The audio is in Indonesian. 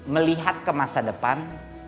melihat ke masa depan